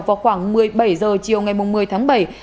vào khoảng một mươi bảy h chiều ngày một mươi tháng bảy